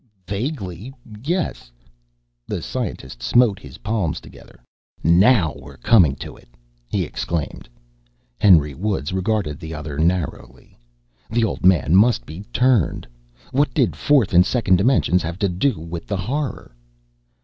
"Vaguely, yes." The scientist smote his palms together. "Now we're coming to it!" he exclaimed. Henry Woods regarded the other narrowly. The old man must be turned. What did fourth and second dimensions have to do with the Horror?